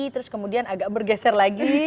terus kemudian agak bergeser lagi